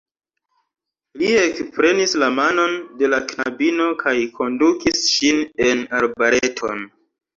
Li ekprenis la manon de la knabino kaj kondukis ŝin en arbareton.